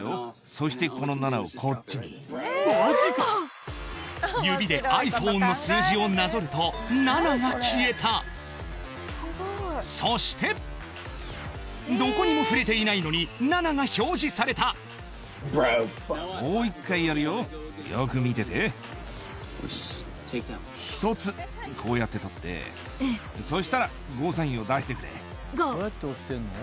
そしてこの７をこっちに指でｉＰｈｏｎｅの数字をなぞるとそしてどこにも触れていないのにもう一回やるよよく見てて１つこうやって取ってそしたらゴーサインを出してくれ・ゴー！